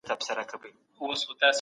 دا سړی اوس هم په شک کي دی.